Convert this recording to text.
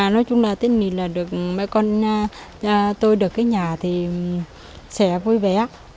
nói chung là tết này là được mẹ con tôi được cái nhà thì sẽ vui vẻ